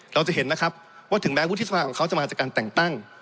เราจะเห็นนะครับว่าถึงแม้วุฒิสภาของเขาจะมาจากการแต่งตั้ง